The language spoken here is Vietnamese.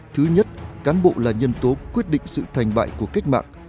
thứ nhất cán bộ là nhân tố quyết định sự thành bại của cách mạng